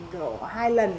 kiểu hai lần